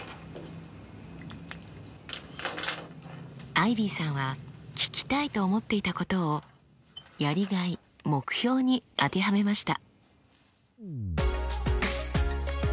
アイビーさんは聞きたいと思っていたことを「やりがい・目標」に当てはめました。